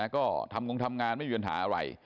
ก็ทำงงทำงานไม่มีปัญหาอะไร